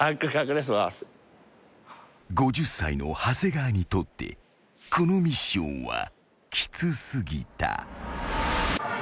［５０歳の長谷川にとってこのミッションはきつ過ぎた］